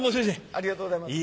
ありがとうございます。